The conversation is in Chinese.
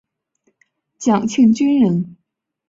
蒋庆均人。